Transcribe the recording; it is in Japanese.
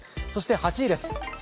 ８位です。